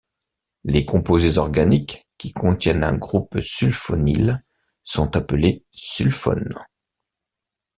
Les composés organiques qui contiennent un groupe sulfonyle sont appelés sulfones.